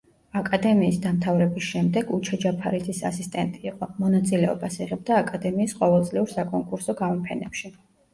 აკადემიის დამთავრების შემდეგ უჩა ჯაფარიძის ასისტენტი იყო, მონაწილეობას იღებდა აკადემიის ყოველწლიურ საკონკურსო გამოფენებში.